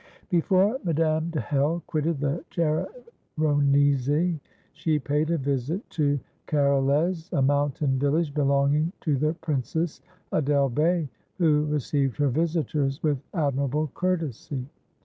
Before Madame de Hell quitted the Chersonese, she paid a visit to Karolez, a mountain village belonging to the Princess Adel Bey, who received her visitors with admirable courtesy.